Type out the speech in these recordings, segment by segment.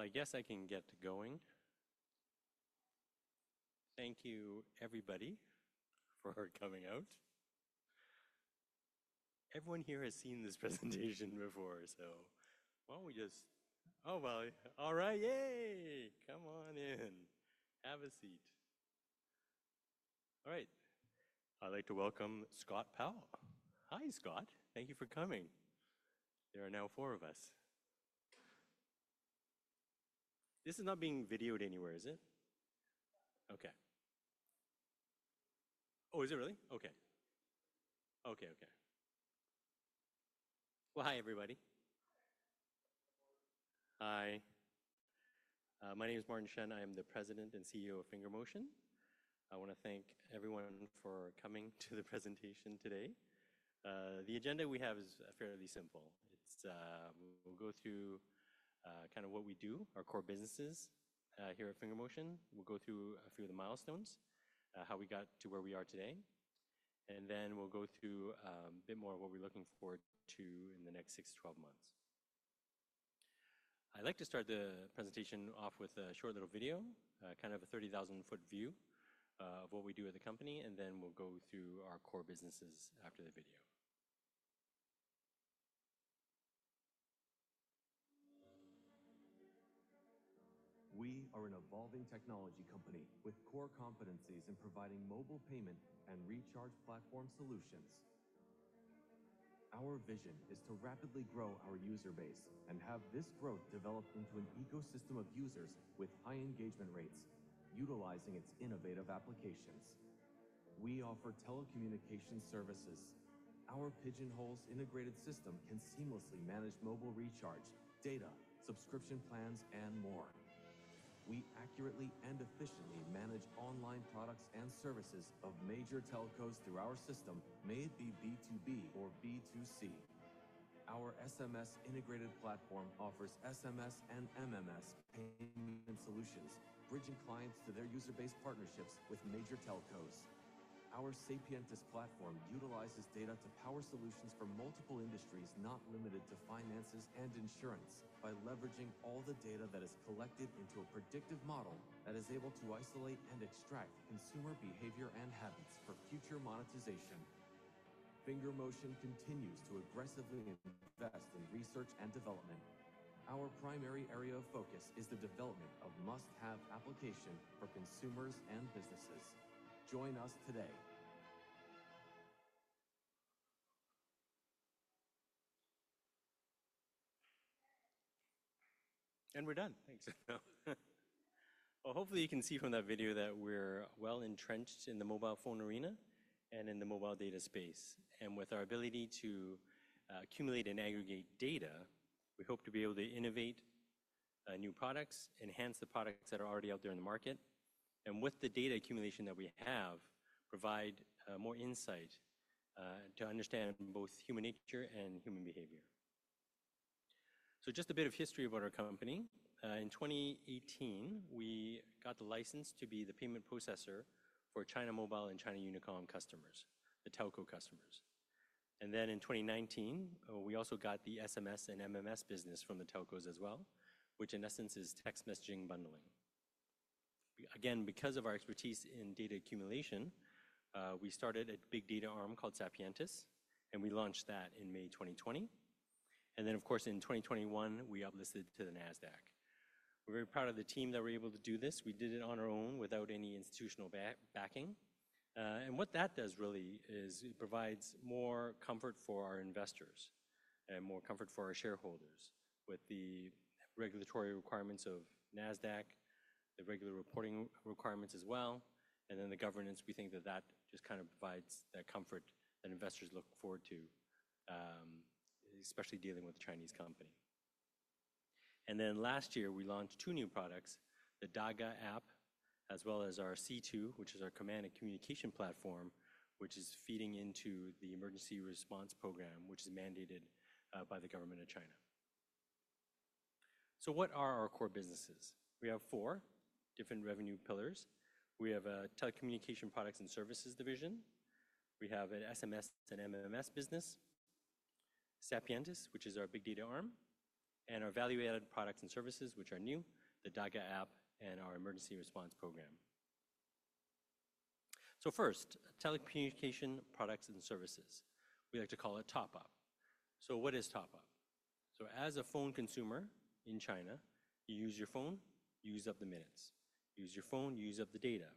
I guess I can get going. Thank you, everybody, for coming out. Everyone here has seen this presentation before, so why don't we just—oh, all right, yay! Come on in. Have a seat. All right. I'd like to welcome Scott Powell. Hi, Scott. Thank you for coming. There are now four of us. This is not being videoed anywhere, is it? Okay. Oh, is it really? Okay. Okay, okay. Hi, everybody. Hi. My name is Martin Shen. I am the President and CEO of FingerMotion. I want to thank everyone for coming to the presentation today. The agenda we have is fairly simple. We'll go through kind of what we do, our core businesses here at FingerMotion. We'll go through a few of the milestones, how we got to where we are today. We'll go through a bit more of what we're looking forward to in the next six to 12 months. I'd like to start the presentation off with a short little video, kind of a 30,000-foot view of what we do at the company, and then we'll go through our core businesses after the video. We are an evolving technology company with core competencies in providing mobile payment and recharge platform solutions. Our vision is to rapidly grow our user base and have this growth develop into an ecosystem of users with high engagement rates, utilizing its innovative applications. We offer telecommunication services. Our Pigeon Holes integrated system can seamlessly manage mobile recharge, data, subscription plans, and more. We accurately and efficiently manage online products and services of major telcos through our system, may it be B2B or B2C. Our SMS integrated platform offers SMS and MMS payment solutions, bridging clients to their user-based partnerships with major telcos. Our Sapientus platform utilizes data to power solutions for multiple industries, not limited to finances and insurance, by leveraging all the data that is collected into a predictive model that is able to isolate and extract consumer behavior and habits for future monetization. FingerMotion continues to aggressively invest in research and development. Our primary area of focus is the development of must-have applications for consumers and businesses. Join us today. We're done. Thanks. Hopefully, you can see from that video that we're well entrenched in the mobile phone arena and in the mobile data space. With our ability to accumulate and aggregate data, we hope to be able to innovate new products, enhance the products that are already out there in the market, and with the data accumulation that we have, provide more insight to understand both human nature and human behavior. Just a bit of history of what our company is: in 2018, we got the license to be the payment processor for China Mobile and China Unicom customers, the telco customers. In 2019, we also got the SMS and MMS business from the telcos as well, which in essence is text messaging bundling. Again, because of our expertise in data accumulation, we started a big data arm called Sapientus, and we launched that in May 2020. In 2021, we uplisted to the NASDAQ. We're very proud of the team that we're able to do this. We did it on our own without any institutional backing. What that does really is it provides more comfort for our investors and more comfort for our shareholders with the regulatory requirements of NASDAQ, the regular reporting requirements as well, and the governance. We think that that just kind of provides that comfort that investors look forward to, especially dealing with a Chinese company. Last year, we launched two new products: the Da Ge app, as well as our C2, which is our command and communication platform, which is feeding into the emergency response program, which is mandated by the government of China. What are our core businesses? We have four different revenue pillars. We have a telecommunication products and services division. We have an SMS and MMS business, Sapientus, which is our big data arm, and our value-added products and services, which are new, the Da Ge app and our emergency response program. First, telecommunication products and services. We like to call it top-up. What is top-up? As a phone consumer in China, you use your phone, you use up the minutes, you use your phone, you use up the data,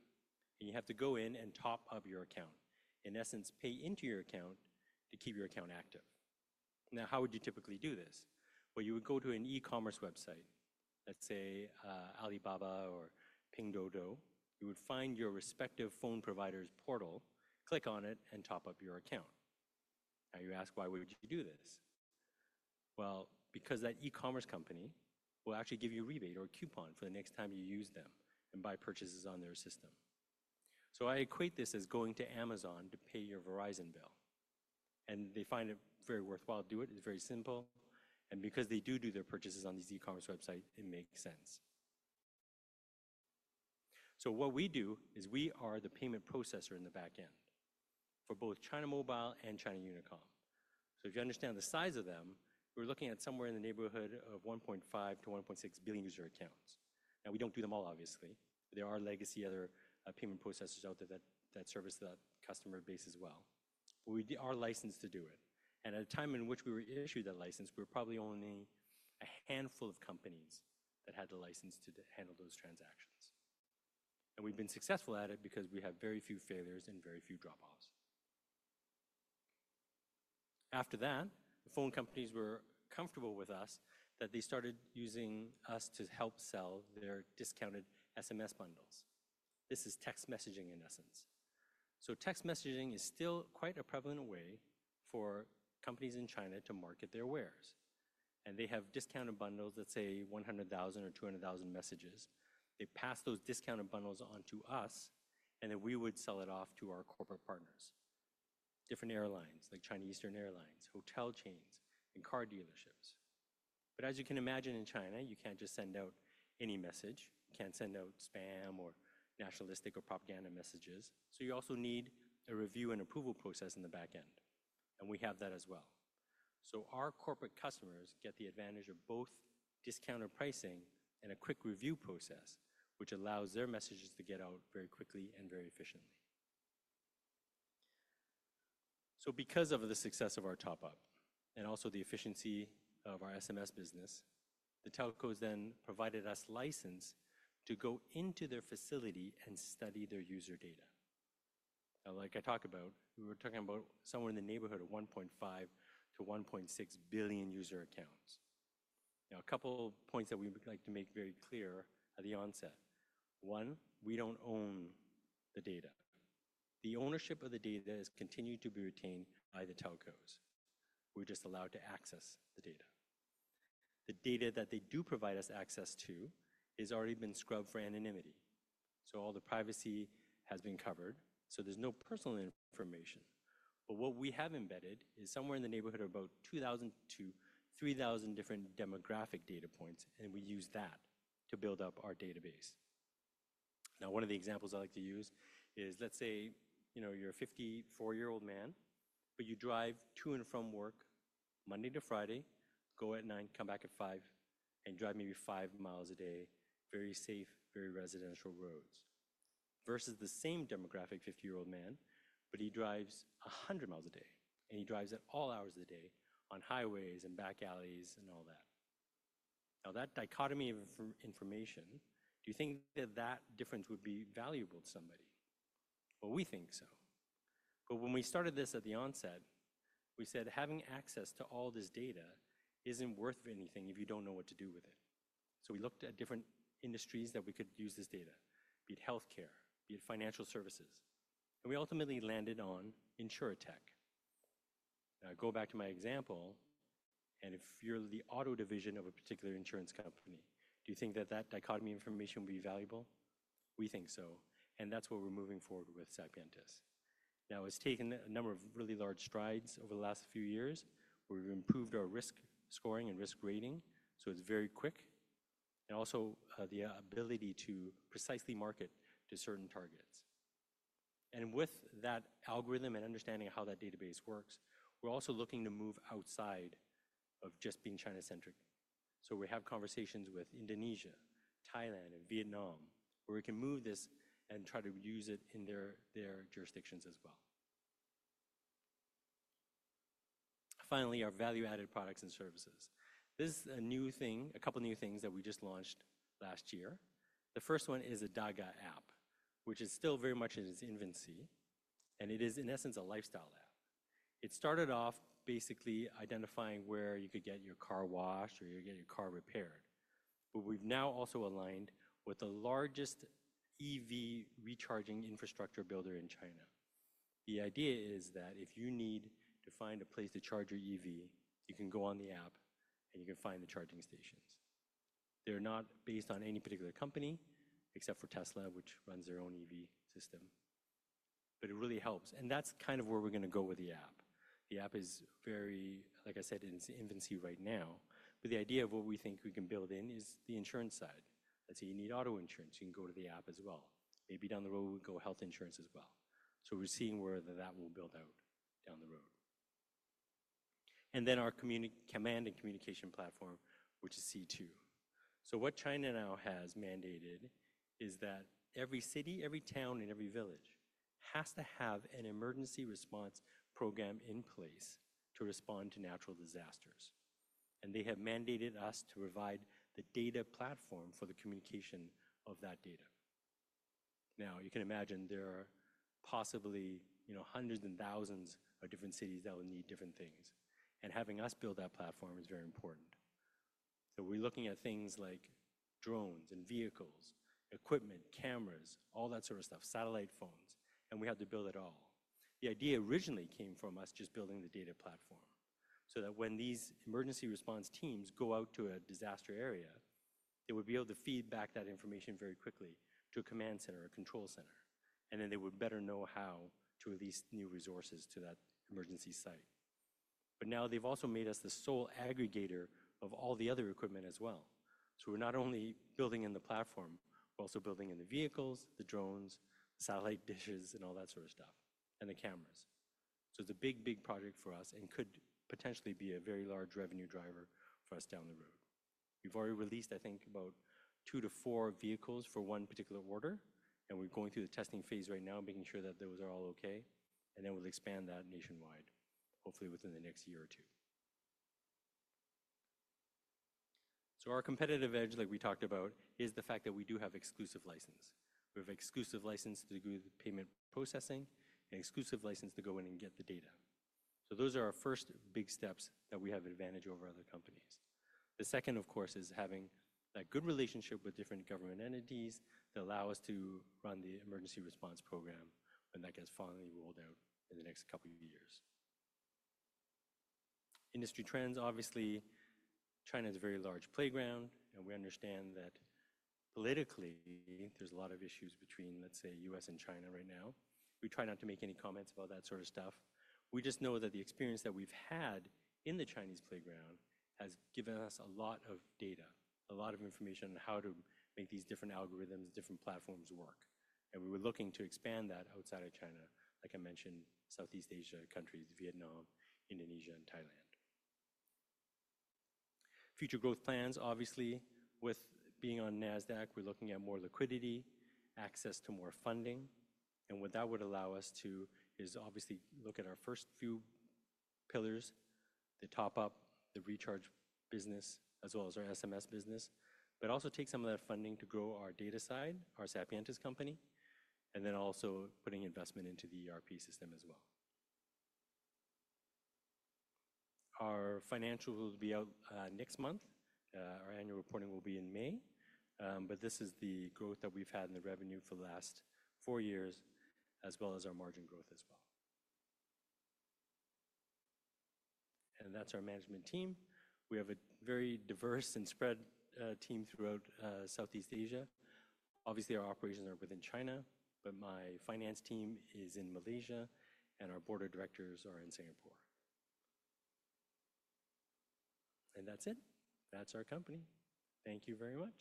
and you have to go in and top-up your account, in essence, pay into your account to keep your account active. Now, how would you typically do this? You would go to an e-commerce website, let's say Alibaba or Pinduoduo. You would find your respective phone provider's portal, click on it, and top up your account. You ask, why would you do this? That e-commerce company will actually give you a rebate or a coupon for the next time you use them and buy purchases on their system. I equate this as going to Amazon to pay your Verizon bill. They find it very worthwhile to do it. It's very simple. Because they do do their purchases on these e-commerce websites, it makes sense. What we do is we are the payment processor in the back end for both China Mobile and China Unicom. If you understand the size of them, we're looking at somewhere in the neighborhood of 1.5 billion-1.6 billion user accounts. Now, we don't do them all, obviously. There are legacy other payment processors out there that service that customer base as well. We are licensed to do it. At a time in which we were issued that license, we were probably only a handful of companies that had the license to handle those transactions. We've been successful at it because we have very few failures and very few drop-offs. After that, the phone companies were comfortable with us that they started using us to help sell their discounted SMS bundles. This is text messaging, in essence. Text messaging is still quite a prevalent way for companies in China to market their wares. They have discounted bundles, let's say, 100,000 or 200,000 messages. They pass those discounted bundles onto us, and then we would sell it off to our corporate partners, different airlines like China Eastern Airlines, hotel chains, and car dealerships. As you can imagine, in China, you can't just send out any message. You can't send out spam or nationalistic or propaganda messages. You also need a review and approval process in the back end. We have that as well. Our corporate customers get the advantage of both discounted pricing and a quick review process, which allows their messages to get out very quickly and very efficiently. Because of the success of our top-up and also the efficiency of our SMS business, the telcos then provided us license to go into their facility and study their user data. Like I talked about, we were talking about somewhere in the neighborhood of 1.5 billion-1.6 billion user accounts. A couple of points that we would like to make very clear at the onset. One, we don't own the data. The ownership of the data is continued to be retained by the telcos. We're just allowed to access the data. The data that they do provide us access to has already been scrubbed for anonymity. All the privacy has been covered. There's no personal information. What we have embedded is somewhere in the neighborhood of about 2,000-3,000 different demographic data points, and we use that to build up our database. Now, one of the examples I like to use is, let's say you're a 54-year-old man, but you drive to and from work Monday to Friday, go at 9:00 A.M., come back at 5:00 P.M., and drive maybe 5 mi a day, very safe, very residential roads, versus the same demographic, 50-year-old man, but he drives 100 mi a day, and he drives at all hours of the day on highways and back alleys and all that. That dichotomy of information, do you think that that difference would be valuable to somebody? We think so. When we started this at the onset, we said having access to all this data isn't worth anything if you don't know what to do with it. We looked at different industries that we could use this data, be it healthcare, be it financial services. We ultimately landed on insurtech. Now, go back to my example. If you're the auto division of a particular insurance company, do you think that that dichotomy of information would be valuable? We think so. That is what we're moving forward with Sapientus. It has taken a number of really large strides over the last few years. We've improved our risk scoring and risk rating. It is very quick. Also, the ability to precisely market to certain targets. With that algorithm and understanding of how that database works, we're also looking to move outside of just being China-centric. We have conversations with Indonesia, Thailand, and Vietnam, where we can move this and try to use it in their jurisdictions as well. Finally, our value-added products and services. This is a new thing, a couple of new things that we just launched last year. The first one is a Da Ge app, which is still very much in its infancy. It is, in essence, a lifestyle app. It started off basically identifying where you could get your car washed or you could get your car repaired. We have now also aligned with the largest EV recharging infrastructure builder in China. The idea is that if you need to find a place to charge your EV, you can go on the app, and you can find the charging stations. They are not based on any particular company except for Tesla, which runs their own EV system. It really helps. That is kind of where we are going to go with the app. The app is very, like I said, in its infancy right now. The idea of what we think we can build in is the insurance side. Let's say you need auto insurance, you can go to the app as well. Maybe down the road, we'll go health insurance as well. We are seeing where that will build out down the road. Our command and communication platform, which is C2. What China now has mandated is that every city, every town, and every village has to have an emergency response program in place to respond to natural disasters. They have mandated us to provide the data platform for the communication of that data. You can imagine there are possibly hundreds and thousands of different cities that will need different things. Having us build that platform is very important. We are looking at things like drones and vehicles, equipment, cameras, all that sort of stuff, satellite phones. We have to build it all. The idea originally came from us just building the data platform so that when these emergency response teams go out to a disaster area, they would be able to feed back that information very quickly to a command center or a control center. They would better know how to release new resources to that emergency site. They have also made us the sole aggregator of all the other equipment as well. We are not only building in the platform, we are also building in the vehicles, the drones, satellite dishes, and all that sort of stuff, and the cameras. It is a big, big project for us and could potentially be a very large revenue driver for us down the road. We have already released, I think, about two to four vehicles for one particular order. We're going through the testing phase right now, making sure that those are all okay. We'll expand that nationwide, hopefully within the next year or two. Our competitive edge, like we talked about, is the fact that we do have exclusive license. We have exclusive license to do the payment processing and exclusive license to go in and get the data. Those are our first big steps that we have advantage over other companies. The second, of course, is having that good relationship with different government entities that allow us to run the emergency response program when that gets finally rolled out in the next couple of years. Industry trends, obviously, China is a very large playground. We understand that politically, there's a lot of issues between, let's say, the U.S. and China right now. We try not to make any comments about that sort of stuff. We just know that the experience that we've had in the Chinese playground has given us a lot of data, a lot of information on how to make these different algorithms, different platforms work. We were looking to expand that outside of China, like I mentioned, Southeast Asia countries, Vietnam, Indonesia, and Thailand. Future growth plans, obviously, with being on NASDAQ, we're looking at more liquidity, access to more funding. What that would allow us to do is obviously look at our first few pillars, the top-up, the recharge business, as well as our SMS business, but also take some of that funding to grow our data side, our Sapientus company, and then also putting investment into the ERP system as well. Our financials will be out next month. Our annual reporting will be in May. This is the growth that we've had in the revenue for the last four years, as well as our margin growth as well. That's our management team. We have a very diverse and spread team throughout Southeast Asia. Obviously, our operations are within China, but my finance team is in Malaysia, and our board of directors are in Singapore. That's it. That's our company. Thank you very much.